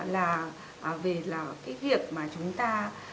là về là cái việc mà chúng ta